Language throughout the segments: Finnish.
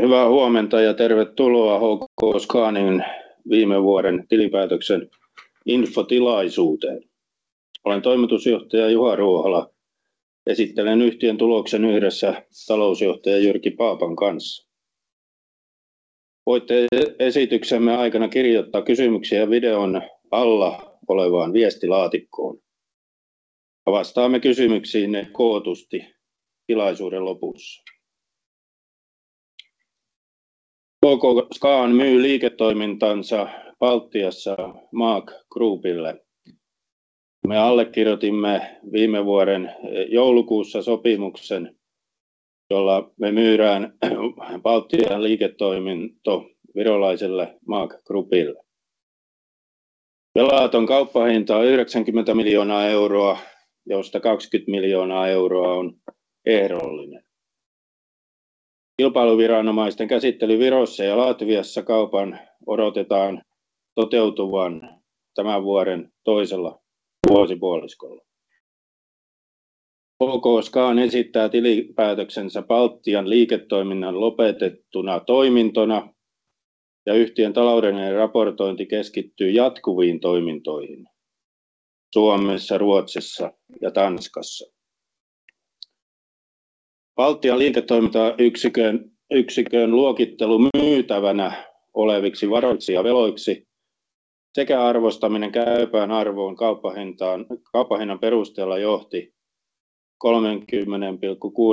Hyvää huomenta ja tervetuloa HKScanin viime vuoden tilinpäätöksen infotilaisuuteen. Olen Toimitusjohtaja Juha Ruohola. Esittelen yhtiön tuloksen yhdessä Talousjohtaja Jyrki Paapan kanssa. Voitte e-esityksemme aikana kirjoittaa kysymyksiä videon alla olevaan viestilaatikkoon. Vastaamme kysymyksiinne kootusti tilaisuuden lopussa. HKScan myy liiketoimintansa Baltiassa Maag Groupille. Me allekirjoitimme viime vuoden joulukuussa sopimuksen, jolla me myydään Baltian liiketoiminto virolaiselle Maag Groupille. Velaton kauppahinta on EUR 90 miljoonaa, josta EUR 20 miljoonaa on ehdollinen. Kilpailuviranomaisten käsittely Virossa ja Latviassa kaupan odotetaan toteutuvan tämän vuoden toisella vuosipuoliskolla. HKScan esittää tilinpäätöksensä Baltian liiketoiminnan lopetettuna toimintona, ja yhtiön taloudellinen raportointi keskittyy jatkuviin toimintoihin Suomessa, Ruotsissa ja Tanskassa. Baltian liiketoimintayksikön luokittelu myytävänä oleviksi varoiksi ja veloiksi sekä arvostaminen käypään arvoon kauppahinnan perusteella johti EUR 30,6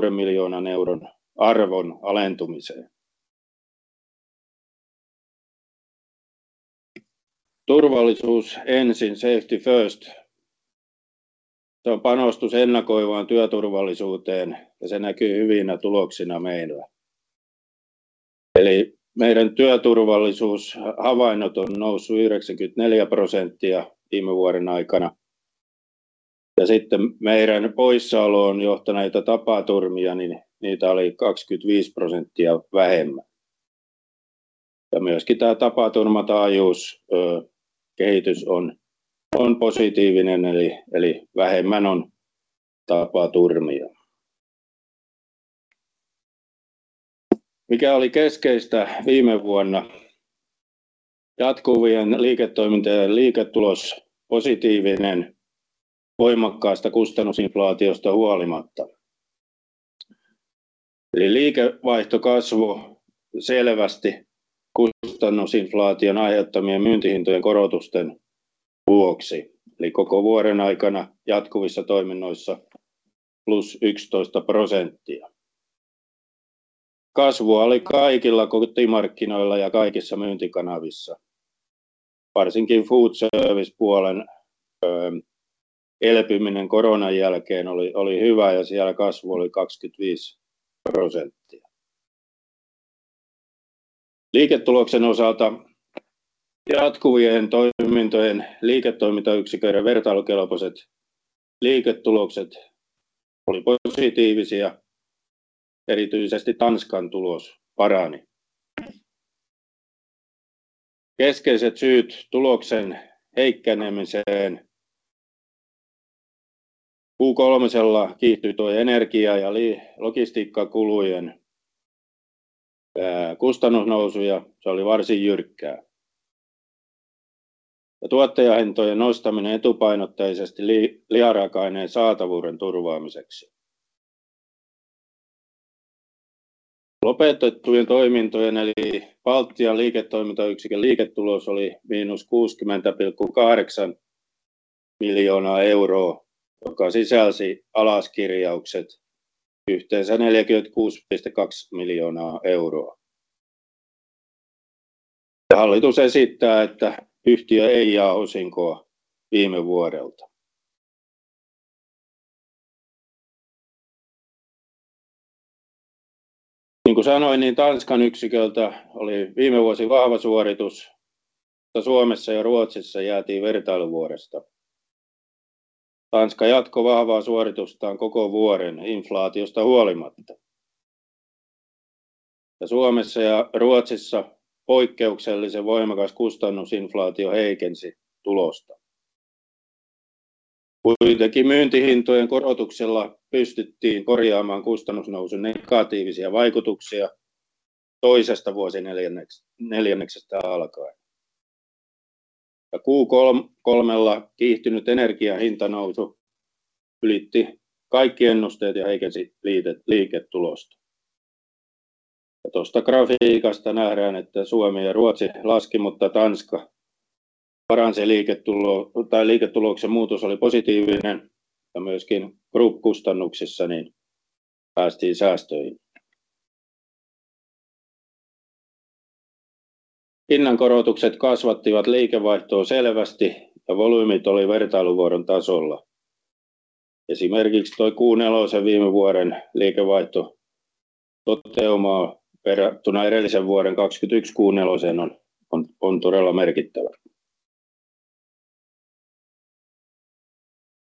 miljoonan arvon alentumiseen. Turvallisuus ensin. Safety First. Se on panostus ennakoivaan työturvallisuuteen ja se näkyy hyvinä tuloksina meillä. Eli meidän työturvallisuushavainnot on noussut 94% viime vuoden aikana. Meidän poissaoloon johtaneita tapaturmia, niin niitä oli 25% vähemmän. Tää tapaturmataajuus kehitys on positiivinen. Vähemmän on tapaturmia. Mikä oli keskeistä viime vuonna. Jatkuvien liiketoimintojen liiketulos positiivinen voimakkaasta kustannusinflaatiosta huolimatta. Liikevaihto kasvoi selvästi kustannusinflaation aiheuttamien myyntihintojen korotusten vuoksi eli koko vuoden aikana jatkuvissa toiminnoissa plus 11%. Kasvua oli kaikilla kotimarkkinoilla ja kaikissa myyntikanavissa. Food service puolen elpyminen koronan jälkeen oli hyvä ja siellä kasvu oli 25%. Liiketuloksen osalta jatkuvien toimintojen liiketoimintayksiköiden vertailukelpoiset liiketulokset oli positiivisia. Tanskan tulos parani. Keskeiset syyt tuloksen heikkenemiseen. Q3:lla kiihtyi tuo energia ja logistiikkakulujen kustannusnousu ja se oli varsin jyrkkää. Tuottajahintojen nostaminen etupainotteisesti liharaaka-aineen saatavuuden turvaamiseksi. Lopetettujen toimintojen eli Baltian liiketoimintayksikön liiketulos oli miinus EUR 60.8 million, joka sisälsi alaskirjaukset yhteensä EUR 46.2 million. Hallitus esittää, että yhtiö ei jaa osinkoa viime vuodelta. Niin kuin sanoin, niin Tanskan yksiköltä oli viime vuosi vahva suoritus. Suomessa ja Ruotsissa jäätiin vertailuvuodesta. Tanska jatkoi vahvaa suoritustaan koko vuoden inflaatiosta huolimatta. Suomessa ja Ruotsissa poikkeuksellisen voimakas kustannusinflaatio heikensi tulosta. Kuitenkin myyntihintojen korotuksella pystyttiin korjaamaan kustannusnousun negatiivisia vaikutuksia toisesta vuosineljänneksestä alkaen. Q kolmella kiihtynyt energian hintanousu ylitti kaikki ennusteet ja heikensi liiketulosta. Tosta grafiikasta nähdään, että Suomi ja Ruotsi laski, mutta Tanska paransi liiketuloa tai liiketuloksen muutos oli positiivinen ja myöskin Group kustannuksissa niin päästiin säästöihin. Hinnankorotukset kasvattivat liikevaihtoa selvästi ja volyymit oli vertailuvuoden tasolla. Esimerkiksi toi Q nelosen viime vuoden liikevaihto toteumaa verrattuna edellisen vuoden 2021 Q neloseen on todella merkittävä.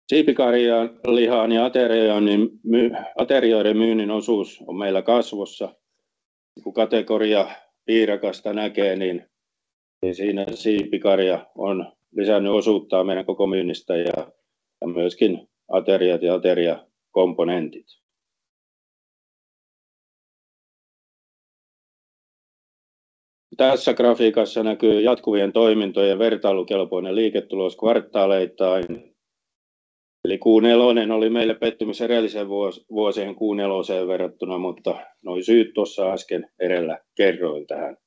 Siipikarjan lihaan ja aterioiden myynnin osuus on meillä kasvussa. Niin kuin kategoriapiirakasta näkee, niin Siinä siipikarja on lisänny osuuttaan meidän koko myynnistä ja myöskin ateriat ja ateriakomponentit. Tässä grafiikassa näkyy jatkuvien toimintojen vertailukelpoinen liiketulos kvartaaleittain. Q4 oli meille pettymys edelliseen vuosien Q4 verrattuna, syyt tuossa äsken edellä kerroin tähän.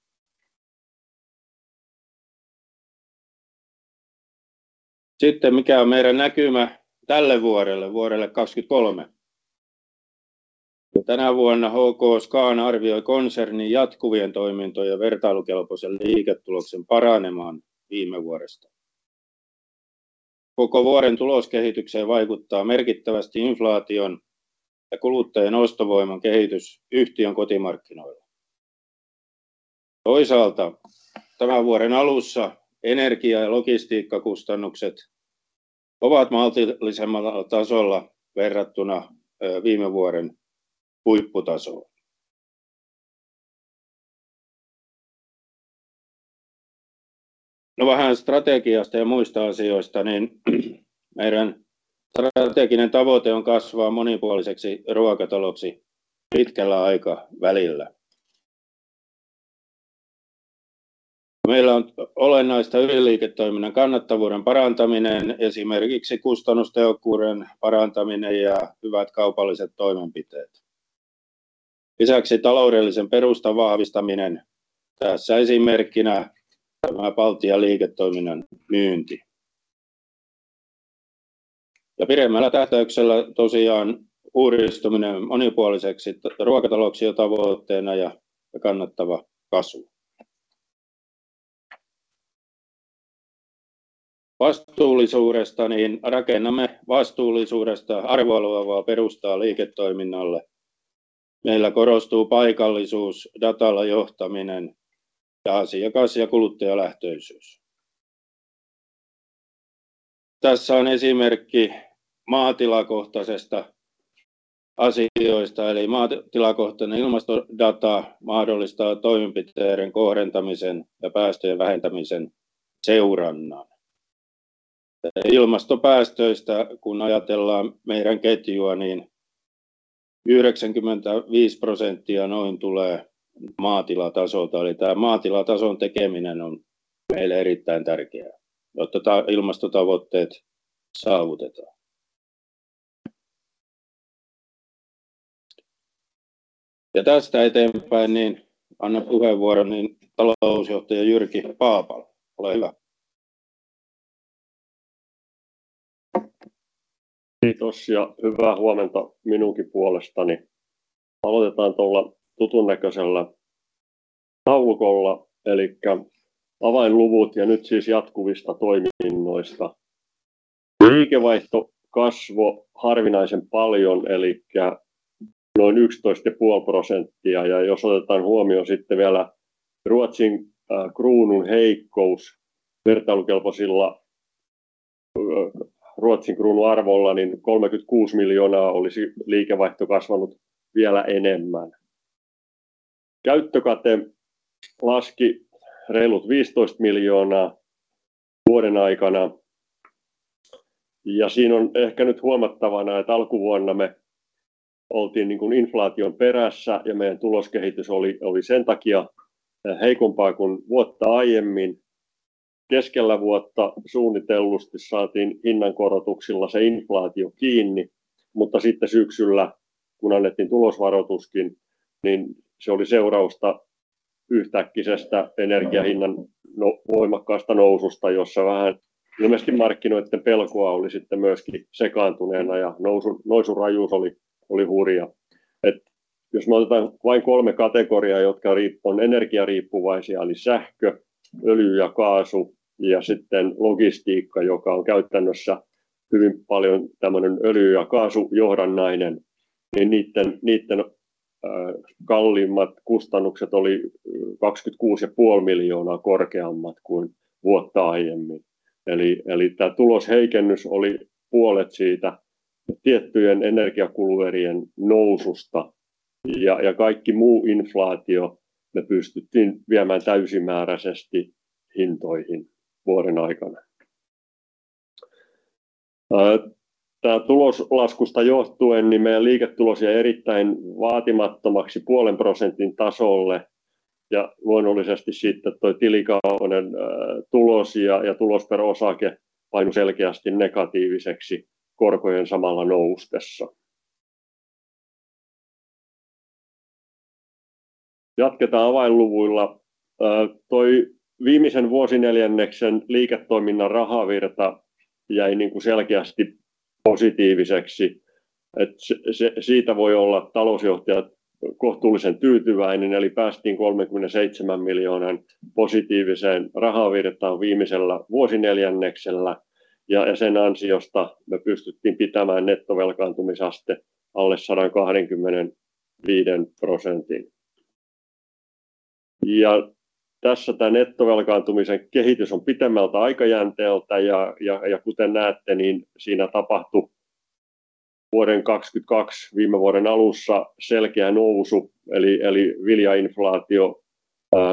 Mikä on meidän näkymä tälle vuodelle 2023. Tänä vuonna HKScan arvioi konsernin jatkuvien toimintojen vertailukelpoisen liiketuloksen paranemaan viime vuodesta. Koko vuoden tuloskehitykseen vaikuttaa merkittävästi inflaation ja kuluttajien ostovoiman kehitys yhtiön kotimarkkinoilla. Tänä vuoden alussa energia ja logistiikkakustannukset ovat maltillisemmalla tasolla verrattuna viime vuoden huipputasoon. Vähän strategiasta ja muista asioista, meidän strateginen tavoite on kasvaa monipuoliseksi ruokataloksi pitkällä aikavälillä. Meillä on olennaista ydinliiketoiminnan kannattavuuden parantaminen, esimerkiksi kustannustehokkuuden parantaminen ja hyvät kaupalliset toimenpiteet. Lisäksi taloudellisen perustan vahvistaminen. Tässä esimerkkinä tämä Baltian liiketoiminnan myynti. Pidemmällä tähtäyksellä tosiaan uudistuminen monipuoliseksi ruokataloudeksi on tavoitteena ja kannattava kasvu. Vastuullisuudesta, rakennamme vastuullisuudesta arvoa luovaa perustaa liiketoiminnalle. Meillä korostuu paikallisuus, datalla johtaminen ja asiakas- ja kuluttajalähtöisyys. Tässä on esimerkki maatilakohtaisesta asioista, maatilakohtainen ilmastodata mahdollistaa toimenpiteiden kohdentamisen ja päästöjen vähentämisen seurannan. Ilmastopäästöistä kun ajatellaan meidän ketjua, niin 95% noin tulee maatilatasolta. Tää maatilatason tekeminen on meille erittäin tärkeää, jotta tää ilmastotavoitteet saavutetaan. Tästä eteenpäin, niin annan puheenvuoron, niin CFO Jyrki Paapalle. Ole hyvä. Kiitos ja hyvää huomenta minunkin puolestani. Aloitetaan tuolla tutun näköisellä taulukolla. Avainluvut. Nyt siis jatkuvista toiminnoista. Liikevaihto kasvoi harvinaisen paljon, noin 11.5%. Jos otetaan huomioon sitten vielä Ruotsin kruunun heikkous vertailukelpoisilla Ruotsin kruunun arvolla, niin EUR 36 million olisi liikevaihto kasvanut vielä enemmän. Käyttökate laski reilut EUR 15 million vuoden aikana, ja siinä on ehkä nyt huomattavana, että alkuvuonna me oltiin inflaation perässä ja meidän tuloskehitys oli sen takia heikompaa kuin vuotta aiemmin. Keskellä vuotta suunnitellusti saatiin hinnankorotuksilla se inflaatio kiinni, mutta sitten syksyllä, kun annettiin tulosvaroituksenkin, niin se oli seurausta yhtäkkisestä energiahinnan voimakkaasta noususta, jossa vähän ilmeisesti markkinoiden pelkoa oli sitten myöskin sekaantuneena ja nousun rajuus oli hurja. Jos me otetaan vain kolme kategoriaa, jotka on energiariippuvaisia eli sähkö, öljy ja kaasu ja sitten logistiikka, joka on käytännössä hyvin paljon tämmönen öljy- ja kaasujohdannainen, niin niitten kalliimmat kustannukset oli EUR 26 and a half million korkeammat kuin vuotta aiemmin. Tää tulosheikennys oli puolet siitä tiettyjen energiakuluerien noususta ja kaikki muu inflaatio me pystyttiin viemään täysimääräisesti hintoihin vuoden aikana. Tää tuloslaskusta johtuen niin meidän liiketulos jäi erittäin vaatimattomaksi 0.5% tasolle ja luonnollisesti sitten toi tilikauden tulos ja tulos per osake painu selkeästi negatiiviseksi korkojen samalla noustessa. Jatketaan avainluvuilla. Toi viimeisen vuosineljänneksen liiketoiminnan rahavirta jäi selkeästi positiiviseksi, siitä voi olla CFOs kohtuullisen tyytyväinen, eli päästiin EUR 37 million positiiviseen rahavirtaan viimeisellä vuosineljänneksellä ja sen ansiosta me pystyttiin pitämään net gearing alle 125%. Tässä tää nettovelkaantumisen kehitys on pitemmältä aikajänteeltä kuten näette, niin siinä tapahtui. Vuoden 2022 viime vuoden alussa selkeä nousu eli viljainflaatio,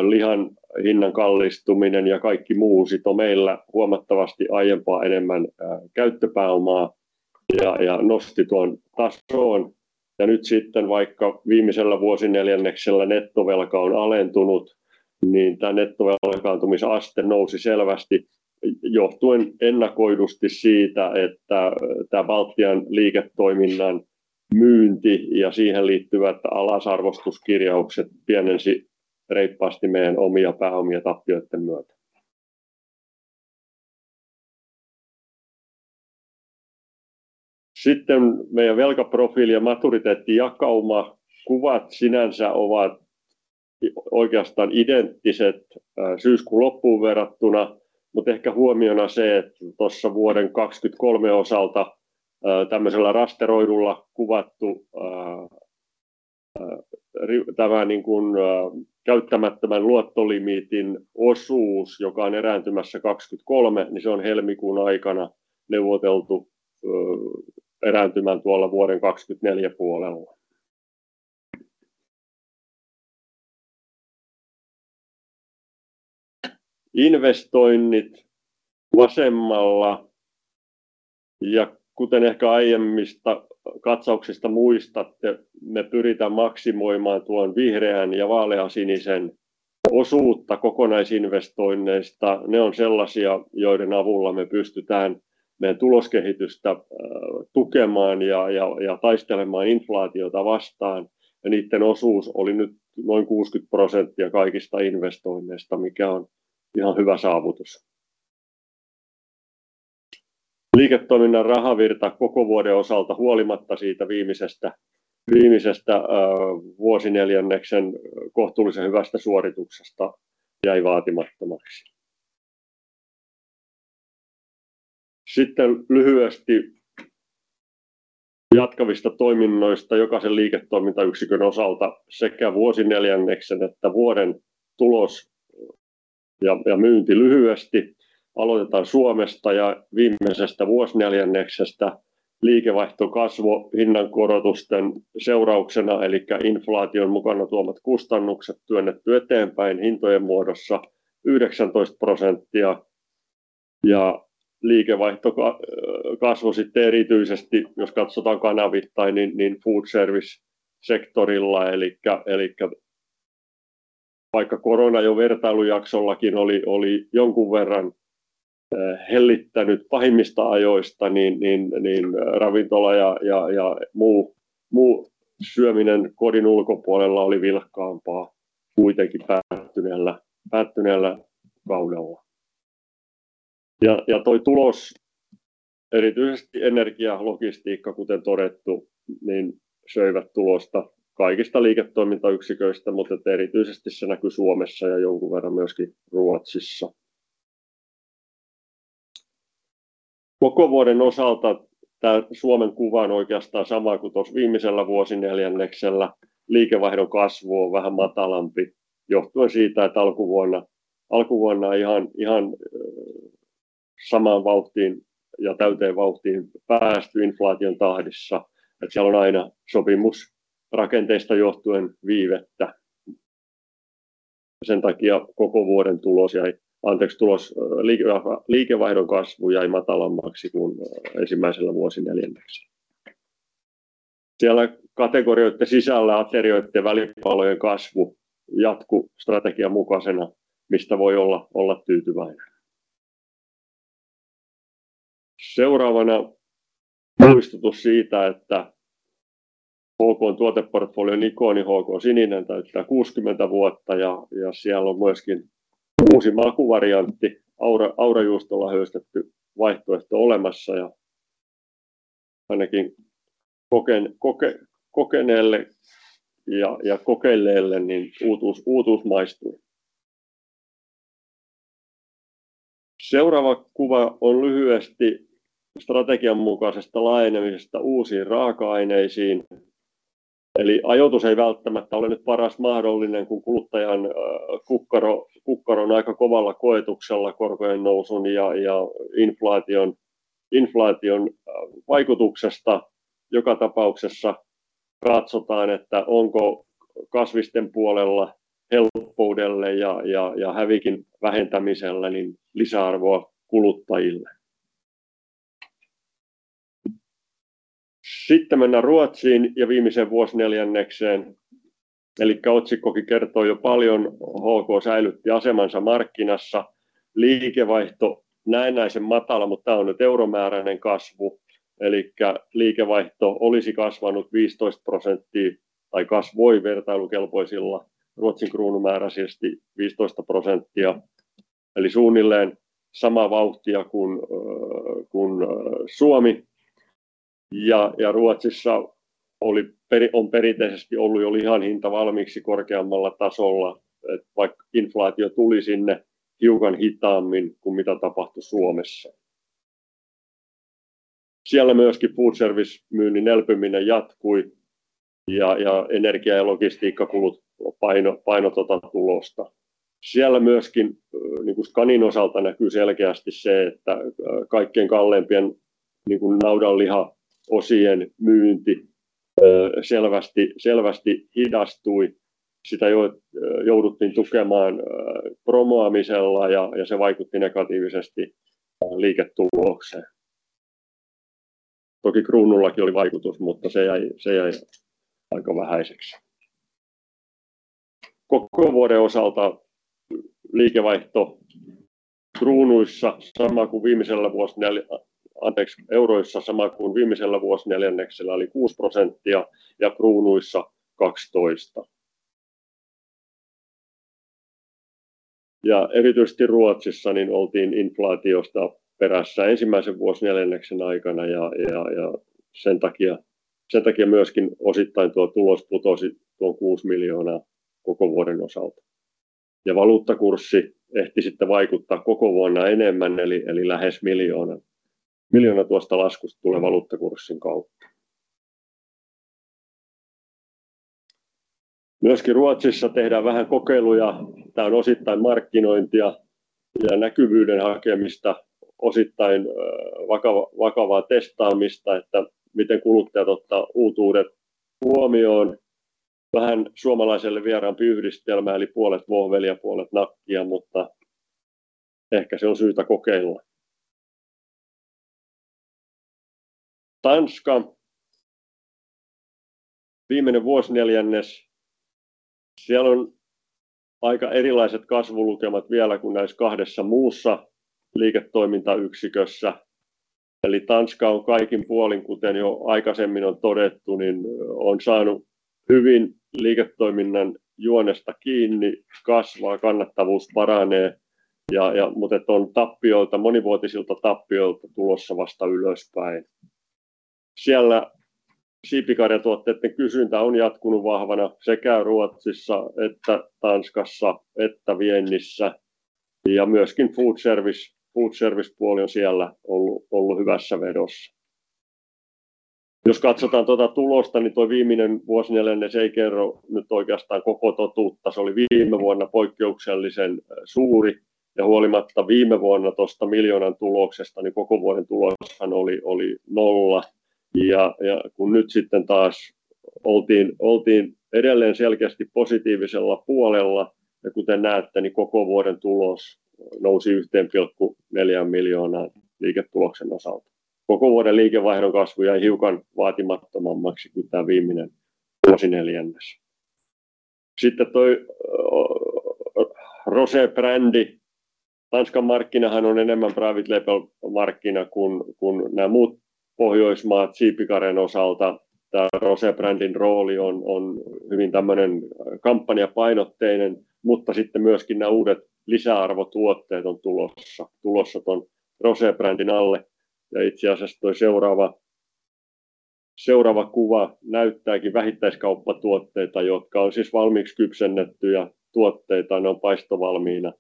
lihan hinnan kallistuminen ja kaikki muu sitoo meillä huomattavasti aiempaa enemmän käyttöpääomaa ja nosti tuon tasoon. Nyt sitten vaikka viimeisellä vuosineljänneksellä nettovelka on alentunut, niin tää nettovelkaantumisaste nousi selvästi johtuen ennakoidusti siitä, että tää Baltian liiketoiminnan myynti ja siihen liittyvät alasarvoistuskirjaukset pienensi reippaasti meidän omia pääomia tappioitten myötä. Meidän velkaprofiili ja maturiteettijakauma. Kuvat sinänsä ovat oikeastaan identtiset syyskuun loppuun verrattuna, mutta ehkä huomiona se, että tuossa vuoden 2023 osalta tämmösellä rasteroidulla kuvattu... Tämä niin kun käyttämättömän luottolimiitin osuus, joka on erääntymässä 2023, niin se on helmikuun aikana neuvoteltu erääntymään tuolla vuoden 2024 puolella. Investoinnit vasemmalla. Kuten ehkä aiemmista katsauksista muistatte, me pyritään maksimoimaan tuon vihreän ja vaaleansinisen osuutta kokonaisinvestoinneista. Ne on sellaisia, joiden avulla me pystytään meidän tuloskehitystä, tukemaan ja taistelemaan inflaatiota vastaan, ja niitten osuus oli nyt noin 60% kaikista investoinneista, mikä on ihan hyvä saavutus. Liiketoiminnan rahavirta koko vuoden osalta, huolimatta siitä viimeisestä vuosineljänneksen kohtuullisen hyvästä suorituksesta, jäi vaatimattomaksi. Sitten lyhyesti jatkavista toiminnoista jokaisen liiketoimintayksikön osalta sekä vuosineljänneksen että vuoden tulos ja myynti lyhyesti. Alotetaan Suomesta ja viimeisestä vuosineljänneksestä. Liikevaihto kasvo hinnankorotusten seurauksena elikkä inflaation mukana tuomat kustannukset työnnetty eteenpäin hintojen muodossa 19% ja liikevaihto, kasvo sitten erityisesti jos katsotaan kanavittain niin food service -sektorilla. Elikkä vaikka korona jo vertailujaksollakin oli jonkun verran hellittänyt pahimmista ajoista, niin ravintola ja muu syöminen kodin ulkopuolella oli vilkkaampaa kuitenkin päättyneellä kaudella. Tulos, erityisesti energia ja logistiikka kuten todettu, niin söivät tulosta kaikista liiketoimintayksiköistä, mut et erityisesti se näky Suomessa ja jonkun verran myöskin Ruotsissa. Koko vuoden osalta tää Suomen kuva on oikeastaan sama kuin tuossa viimeisellä vuosineljänneksellä. Liikevaihdon kasvu on vähän matalampi johtuen siitä, että alkuvuonna ei ihan samaan vauhtiin ja täyteen vauhtiin päästy inflaation tahdissa, et siellä on aina sopimusrakenteista johtuen viivettä. Sen takia koko vuoden liikevaihdon kasvu jäi matalammaksi kuin ensimmäisellä vuosineljänneksellä. Siellä kategorioitten sisällä aterioitten ja välipalojen kasvu jatkui strategian mukaisena, mistä voi olla tyytyväinen. Seuraavana muistutus siitä, että HK:n tuoteportfolion ikoni HK Sininen täyttää 60 vuotta ja siellä on myöskin uusi makuvariantti. Aura, aurajuustolla höystetty vaihtoehto olemassa ja ainakin kokeneelle ja kokeilleelle niin uutuus maistui. Seuraava kuva on lyhyesti strategian mukaisesta laajenemisesta uusiin raaka-aineisiin. Eli ajoitus ei välttämättä ole nyt paras mahdollinen, kun kuluttajan kukkaro on aika kovalla koetuksella korkojen nousun ja inflaation vaikutuksesta. Joka tapauksessa katsotaan, että onko kasvisten puolella helppoudelle ja hävikin vähentämisellä niin lisäarvoa kuluttajille. Sitten mennään Ruotsiin ja viimeiseen vuosineljännekseen. Elikkä otsikkokin kertoo jo paljon. HK säilytti asemansa markkinassa. Liikevaihto näennäisen matala, mutta tää on nyt euromääräinen kasvu. Elikkä liikevaihto olisi kasvanut 15% tai kasvoi vertailukelpoisilla Ruotsin kruunumääräisesti 15% eli suunnilleen samaa vauhtia kun Suomi. Ruotsissa on perinteisesti ollut jo lihan hinta valmiiksi korkeammalla tasolla, et vaikka inflaatio tuli sinne hiukan hitaammin kuin mitä tapahtui Suomessa. Siellä myöskin food service -myynnin elpyminen jatkui. Energia ja logistiikkakulut painot tota tulosta. Siellä myöskin niinku Scanin osalta näkyy selkeästi se, että kaikkein kalleimpien, niinkun naudanlihaosien myynti selvästi hidastui. Sitä jo jouduttiin tukemaan promoamisella, ja se vaikutti negatiivisesti liiketulokseen. Toki kruunullakin oli vaikutus, mutta se jäi. Se jäi aika vähäiseksi. Koko vuoden osalta liikevaihto, anteeksi, EUR:ssa sama kuin viimeisellä vuosineljänneksellä eli 6% ja SEK:ssa 12%. Erityisesti Ruotsissa oltiin inflaatiosta perässä Q1 aikana, ja sen takia myöskin osittain tuo tulos putosi tuon EUR 6 million koko vuoden osalta. Valuuttakurssi ehti sitten vaikuttaa koko vuonna enemmän. Lähes EUR 1 million. EUR 1 million tuosta laskusta tulee valuuttakurssin kautta. Myöskin Ruotsissa tehdään vähän kokeiluja. Tää on osittain markkinointia ja näkyvyyden hakemista, osittain vakavaa testaamista, että miten kuluttajat ottaa uutuudet huomioon. Vähän suomalaiselle vieraampi yhdistelmä eli puolet vohvelia, puolet nakkia, mutta ehkä se on syytä kokeilla. Tanska. Viimeinen vuosineljännes. Siellä on aika erilaiset kasvulukemat vielä kuin näissä two muussa liiketoimintayksikössä. Tanska on kaikin puolin, kuten jo aikaisemmin on todettu, niin on saanut hyvin liiketoiminnan juonesta kiinni. Kasvaa, kannattavuus paranee on tappioilta, monivuotisilta tappioilta tulossa vasta ylöspäin. Siellä siipikarjatuotteiden kysyntä on jatkunut vahvana sekä Ruotsissa että Tanskassa että viennissä ja myöskin food service. Food service -puoli on siellä ollu hyvässä vedossa. Jos katsotaan tuota tulosta, niin tuo viimeinen vuosineljännes ei kerro nyt oikeastaan koko totuutta. Se oli viime vuonna poikkeuksellisen suuri ja huolimatta viime vuonna tosta EUR 1 million tuloksesta, niin koko vuoden tuloshan oli 0. Kun nyt sitten taas oltiin edelleen selkeästi positiivisella puolella. Kuten näette, niin koko vuoden tulos nousi EUR 1.4 miljoonaan liiketuloksen osalta. Koko vuoden liikevaihdon kasvu jäi hiukan vaatimattomammaksi kuin tää viimeinen vuosineljännes. Toi Rose-brändi. Tanskan markkinahan on enemmän private label -markkina kuin nää muut pohjoismaat siipikarjan osalta. Tää Rose-brändin rooli on hyvin tämmönen kampanjapainotteinen, mutta sitten myöskin nää uudet lisäarvotuotteet on tulossa tuon Rose-brändin alle ja itse asiassa toi seuraava kuva näyttääkin vähittäiskauppatuotteita, jotka on siis valmiiksi kypsennettyjä tuotteita. Ne on paistovalmiina,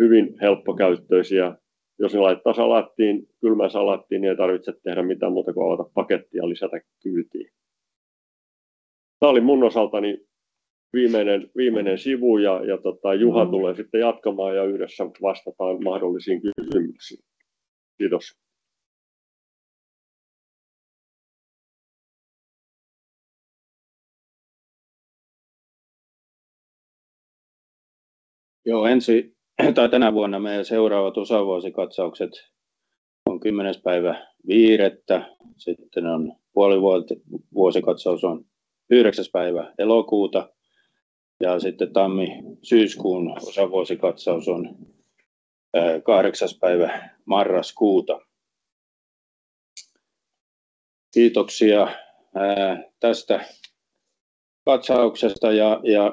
hyvin helppokäyttöisiä. Jos ne laittaa salaattiin, kylmään salaattiin, niin ei tarvitse tehdä mitään muuta kuin avata pakettia ja lisätä kyytiin. Tää oli mun osaltani viimeinen sivu ja Juha tulee sitten jatkamaan ja yhdessä vastataan mahdollisiin kysymyksiin. Kiitos! Joo, ensi tai tänä vuonna meidän seuraavat osavuosikatsaukset on kymmenes päivä viidettä. Sitten on vuosikatsaus on yhdeksäs päivä elokuuta ja sitten tammi-syyskuun osavuosikatsaus on kahdeksas päivä marraskuuta. Kiitoksia tästä katsauksesta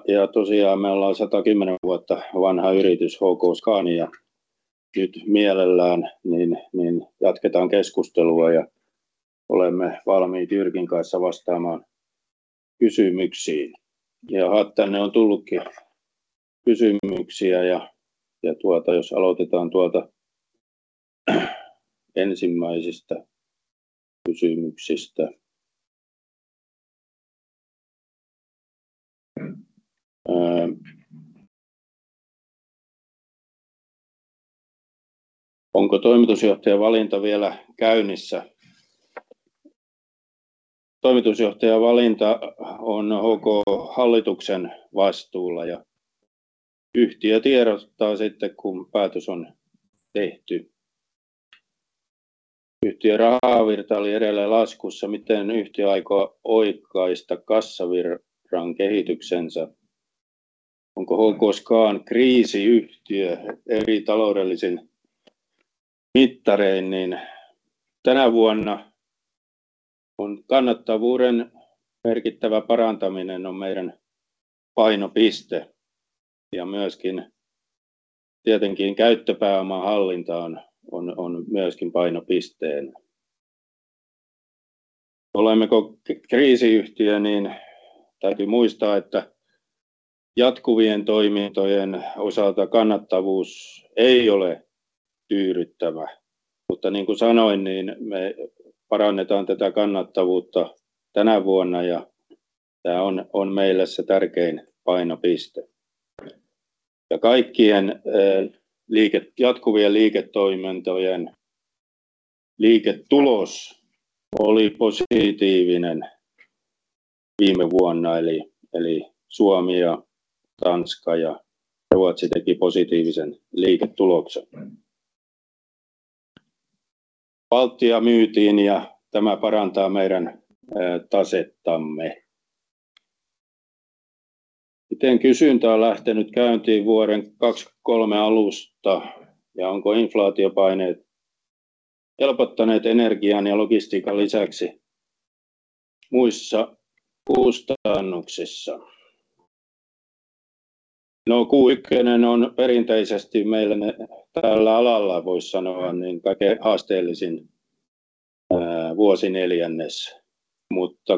ja tosiaan me ollaan 110 vuotta vanha yritys HKScan ja nyt mielellään niin jatketaan keskustelua ja olemme valmiit Jyrkin kanssa vastaamaan kysymyksiin. Jaaha, tänne on tullutkin kysymyksiä ja tuota jos aloitetaan tuolta ensimmäisistä kysymyksistä. Onko toimitusjohtajavalinta vielä käynnissä? Toimitusjohtajavalinta on HK:n hallituksen vastuulla ja yhtiö tiedottaa sitten, kun päätös on tehty. Yhtiön rahavirta oli edelleen laskussa. Miten yhtiö aikoo oikaista kassavirran kehityksensä? Onko HKScan kriisiyhtiö eri taloudellisin mittarein? Niin tänä vuonna on kannattavuuden merkittävä parantaminen on meidän painopiste ja myöskin tietenkin käyttöpääoman hallinta on myöskin painopisteenä. Olemmeko kriisiyhtiö? Niin täytyy muistaa, että. Jatkuvien toimintojen osalta kannattavuus ei ole tyydyttävä. Niin kuin sanoin, niin me parannetaan tätä kannattavuutta tänä vuonna ja tää on meille se tärkein painopiste. Kaikkien jatkuvien liiketoimintojen liiketulos oli positiivinen viime vuonna. Eli Suomi ja Tanska ja Ruotsi teki positiivisen liiketuloksen. Baltia myytiin ja tämä parantaa meidän tasettaamme. Miten kysyntä on lähtenyt käyntiin vuoden 2023 alusta ja onko inflaatiopaineet helpottaneet energian ja logistiikan lisäksi muissa kustannuksissa? Q1 on perinteisesti meillä tällä alalla vois sanoa niin kaikkein haasteellisin vuosineljännes.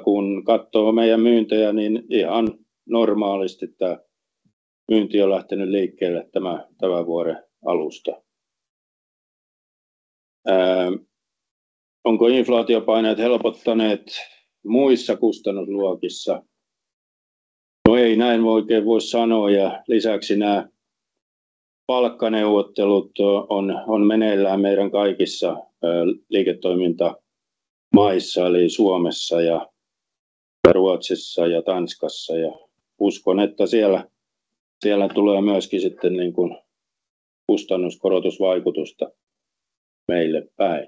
Kun katsoo meidän myyntejä, niin ihan normaalisti tää myynti on lähtenyt liikkeelle tämän vuoden alusta. Onko inflaatiopaineet helpottaneet muissa kustannusluokissa? Ei näin oikein voi sanoa ja lisäksi nää palkkaneuvottelut on meneillään meidän kaikissa liiketoimintamaissa eli Suomessa ja Ruotsissa ja Tanskassa, ja uskon, että siellä tulee myöskin sitten niin kuin kustannuskorotusvaikutusta meille päin.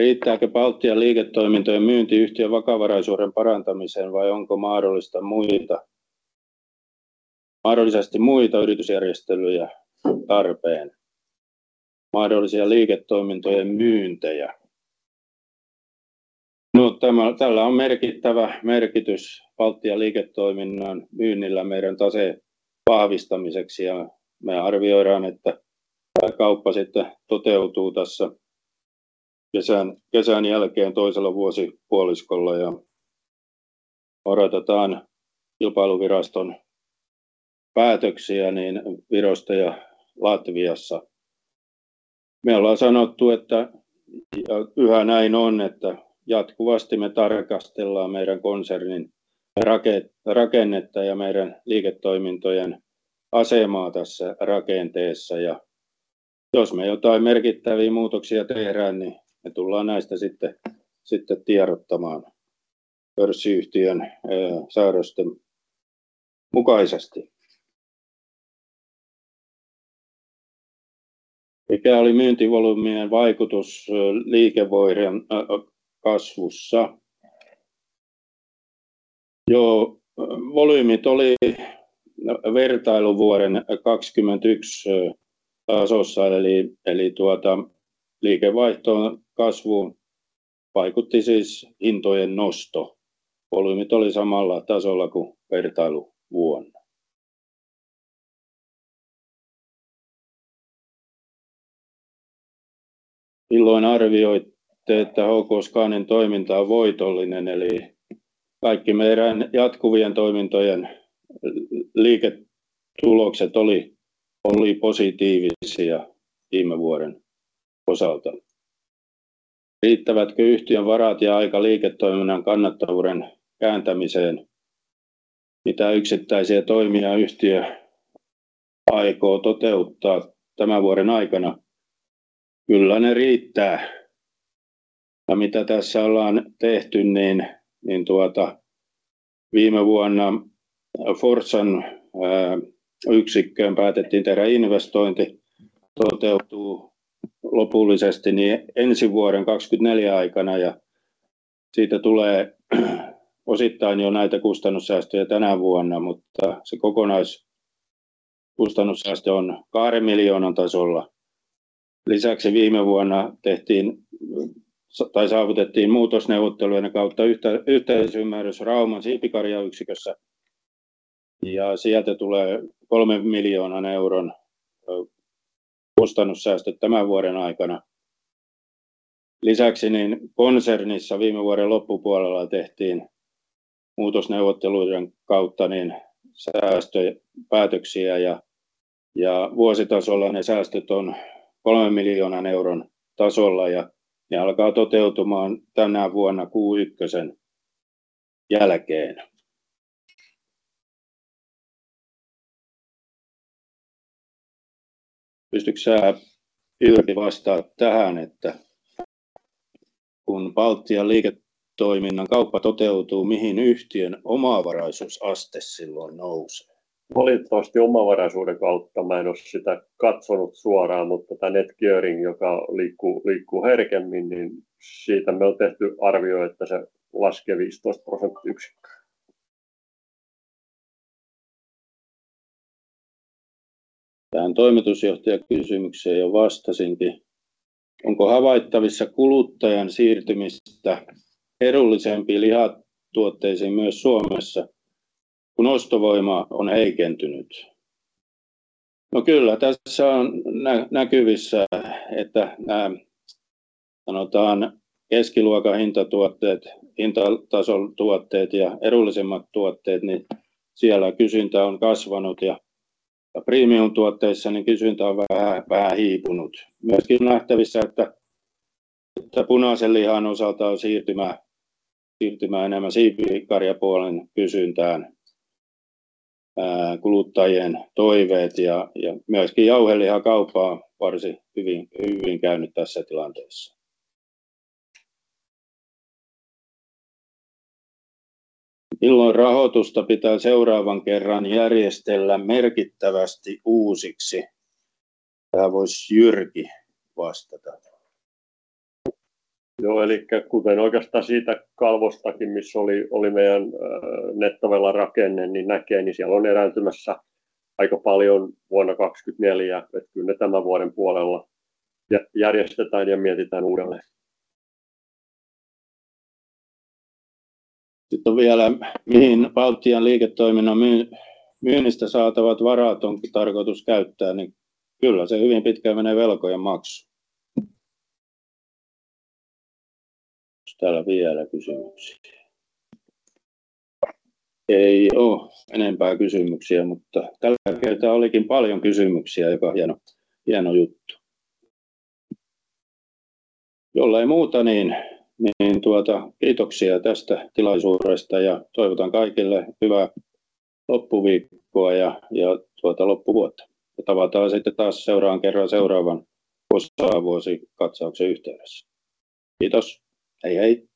Riittääkö Baltian liiketoimintojen myynti yhtiön vakavaraisuuden parantamiseen vai onko mahdollisesti muita yritysjärjestelyjä tarpeen? Mahdollisia liiketoimintojen myyntejä. Tällä on merkittävä merkitys Baltian liiketoiminnan myynnillä meidän taseen vahvistamiseksi. Me arvioidaan, että tää kauppa sitten toteutuu tässä kesän jälkeen toisella vuosipuoliskolla ja odotetaan kilpailuviraston päätöksiä niin Virosta ja Latviassa. Me ollaan sanottu, että yhä näin on, että jatkuvasti me tarkastellaan meidän konsernin rakennetta ja meidän liiketoimintojen asemaa tässä rakenteessa. Jos me jotain merkittäviä muutoksia tehdään, niin me tullaan näistä sitten tiedottamaan pörssiyhtiön säädösten mukaisesti. Mikä oli myyntivolyymien vaikutus liikevaihdon kasvussa? Volyymit oli vertailuvuoden 2021 tasossa. Eli liikevaihdon kasvuun vaikutti siis hintojen nosto. Volyymit oli samalla tasolla kuin vertailuvuonna. Milloin arvioitte, että HKScanin toiminta on voitollinen? Kaikki meidän jatkuvien toimintojen liiketulokset oli positiivisia viime vuoden osalta. Riittävätkö yhtiön varat ja aika liiketoiminnan kannattavuuden kääntämiseen? Mitä yksittäisiä toimia yhtiö aikoo toteuttaa tämän vuoden aikana? Kyllä ne riittää. Mitä tässä ollaan tehty niin, tuota viime vuonna Forssan yksikköön päätettiin tehdä investointi. Toteutuu lopullisesti niin ensi vuoden 2024 aikana ja siitä tulee osittain jo näitä kustannussäästöjä tänä vuonna, mutta se kokonaiskustannussäästö on 2 million EUR tasolla. Lisäksi viime vuonna tehtiin tai saavutettiin muutosneuvottelujen kautta yhteisymmärrys Rauman siipikarjayksikössä ja sieltä tulee 3 million EUR kustannussäästöt tämän vuoden aikana. Lisäksi niin konsernissa viime vuoden loppupuolella tehtiin muutosneuvotteluiden kautta niin säästöpäätöksiä ja vuositasolla ne säästöt on 3 million EUR tasolla ja ne alkaa toteutumaan tänä vuonna Q1 jälkeen. Pystytkö sä Jyrki vastaa tähän, että kun Baltian liiketoiminnan kauppa toteutuu, mihin yhtiön omavaraisuusaste silloin nousee? Valitettavasti omavaraisuuden kautta mä en ole sitä katsonut suoraan, mutta tää net gearing, joka liikkuu herkemmin, niin siitä me ollaan tehty arvio, että se laskee 15 prosenttiyksikköä. Tähän toimitusjohtajakysymykseen jo vastasinkin. Onko havaittavissa kuluttajan siirtymistä edullisempiin lihatuotteisiin myös Suomessa, kun ostovoima on heikentynyt? Kyllä tässä on näkyvissä, että nää sanotaan keskiluokan hintatuotteet, hintatason tuotteet ja edullisemmat tuotteet, niin siellä kysyntä on kasvanut ja premiumtuotteissa niin kysyntä on vähän hiipunut. Myöskin on nähtävissä, että punaisen lihan osalta on siirtymä enemmän siipikarjapuolen kysyntään. Kuluttajien toiveet ja myöskin jauhelihakauppa on varsin hyvin käynyt tässä tilanteessa. Milloin rahoitusta pitää seuraavan kerran järjestellä merkittävästi uusiksi? Tähän voisi Jyrki vastata. kuten oikeastaan siitä kalvostakin, missä oli meidän nettovelarakenne niin näkee, niin siellä on erääntymässä aika paljon vuonna 2024. Kyllä ne tämän vuoden puolella järjestetään ja mietitään uudelleen. Sitten on vielä mihin Baltian liiketoiminnan myynnistä saatavat varat on tarkoitus käyttää? Niin, kyllä se hyvin pitkälti menee velkojen maksuun. Onks täällä vielä kysymyksiä? Ei oo enempää kysymyksiä, mutta tällä kertaa olikin paljon kysymyksiä, joka hieno juttu. Jollei muuta, niin tuota kiitoksia tästä tilaisuudesta ja toivotan kaikille hyvää loppuviikkoa ja tuota loppuvuotta ja tavataan sitten taas seuraavan kerran seuraavan vuosikatsauksen yhteydessä. Kiitos! Hei hei!